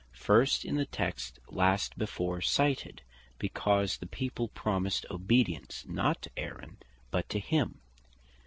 First, in the text last before cited, because the people promised obedience, not to Aaron but to him.